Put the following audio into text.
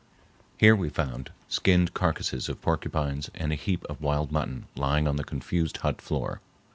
Here we found skinned carcasses of porcupines and a heap of wild mutton lying on the confused hut floor.